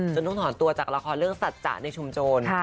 ต้องถอนตัวจากละครเรื่องสัจจะในชุมโจร